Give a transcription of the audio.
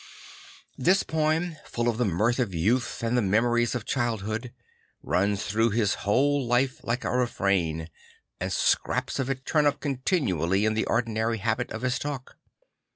This poem, full of the mirth of youth and the memories of childhood, rUllS through his \vhole life like a refrain, and scraps of it turn up contin ually in the ordinary habit of his talk.